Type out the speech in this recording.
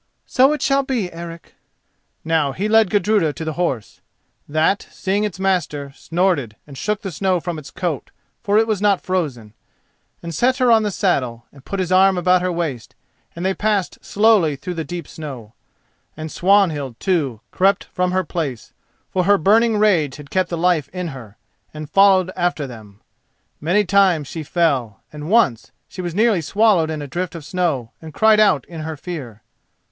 "So it shall be, Eric." Now he led Gudruda to the horse—that, seeing its master, snorted and shook the snow from its coat, for it was not frozen—and set her on the saddle, and put his arm about her waist, and they passed slowly through the deep snow. And Swanhild, too, crept from her place, for her burning rage had kept the life in her, and followed after them. Many times she fell, and once she was nearly swallowed in a drift of snow and cried out in her fear.